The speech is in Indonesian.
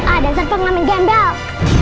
ah dan serta ngelamin gembel